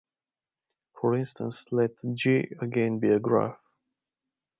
For instance, Let "G" again be a graph.